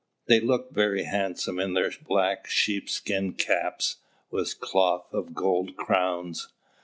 They looked very handsome in their black sheepskin caps, with cloth of gold crowns.